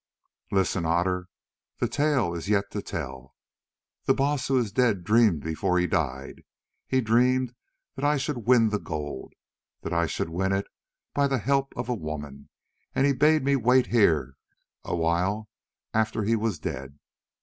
"Listen, Otter, the tale is yet to tell. The Baas who is dead dreamed before he died, he dreamed that I should win the gold, that I should win it by the help of a woman, and he bade me wait here a while after he was dead.